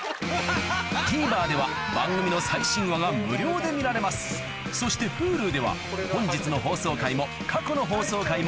ＴＶｅｒでは番組の最新話が無料で見られますそしてＨｕｌｕでは本日の放送回も過去の放送回もいつでもどこでも見られます